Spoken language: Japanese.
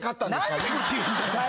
何てこと言うんだよ！